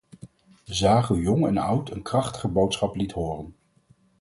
We zagen hoe jong en oud een krachtige boodschap liet horen.